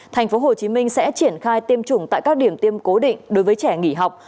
tp hcm sẽ triển khai tiêm chủng tại các điểm tiêm cố định đối với trẻ nghỉ học